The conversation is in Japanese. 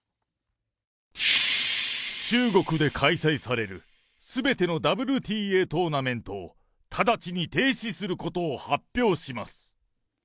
中国で開催されるすべてのＷＴＡトーナメントを直ちに停止することを発表します。